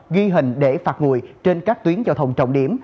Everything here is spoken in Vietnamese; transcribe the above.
ghi hình để phạt nguội trên các tuyến giao thông trọng điểm